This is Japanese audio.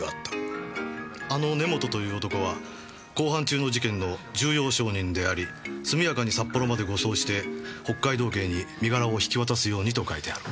あの根元という男は公判中の事件の重要証人であり速やかに札幌まで護送して北海道警に身柄を引き渡すようにと書いてある。